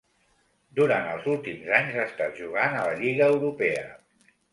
Durant els últims anys ha estat jugant a la lliga europea.